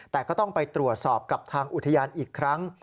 แต่ก็ต้องไปตรวจสอบกับทางอุทยานอีกครั้ง